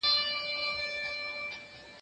مړونه مري، نومونه ئې پاتېږي.